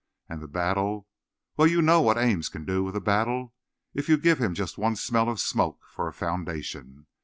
And the battle!—well, you know what Ames can do with a battle if you give him just one smell of smoke for a foundation.